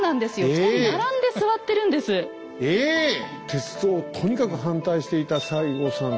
鉄道をとにかく反対していた西郷さん。